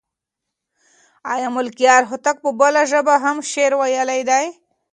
آیا ملکیار هوتک په بلې ژبې هم شعر ویلی دی؟